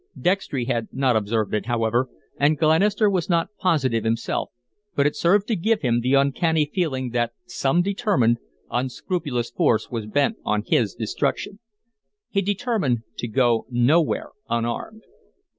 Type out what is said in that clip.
Dextry had not observed it, however, and Glenister was not positive himself, but it served to give him the uncanny feeling that some determined, unscrupulous force was bent on his destruction. He determined to go nowhere unarmed.